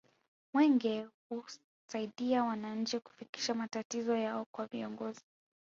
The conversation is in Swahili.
mwenge huwasaidia wananchi kufikisha matatizo yao kwa viongozi